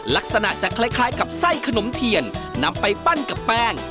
ลักษณะจะคล้ายกับไส้ขนมเทียนนำไปปั้นกับแป้ง